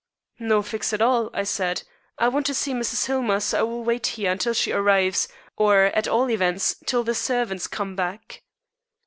"No fix at all," I said. "I want to see Mrs. Hillmer, so I will wait here until she arrives or, at all events, till the servants come back."